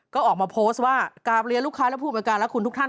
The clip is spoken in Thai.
ก็ออกมาโพสต์ว่ากราบเรียนลูกค้าและผู้บริการและคุณทุกท่าน